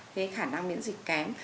cái khả năng miễn dịch kém